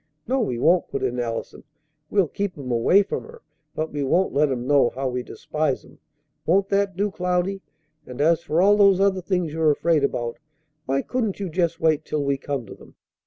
"No, we won't!" put in Allison; "we'll keep 'em away from her, but we won't let 'em know how we despise 'em. Won't that do, Cloudy? And as for all those other things you are afraid about, why couldn't you just wait till we come to them?